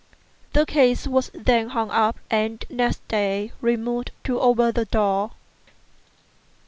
The case was then hung up, and next day removed to over the door.